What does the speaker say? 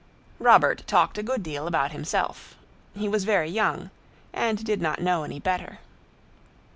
Robert talked a good deal about himself. He was very young, and did not know any better.